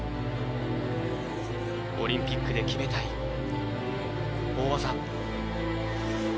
オリンピックで決めたい大技。